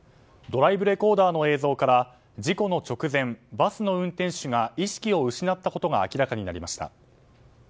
ドライブレコーダーの映像から事故の直前バスの運転手が意識を失ったことが明らかになりました。